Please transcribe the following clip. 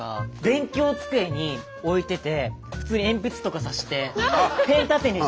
勉強机に置いてて普通に鉛筆とか挿してペン立てね。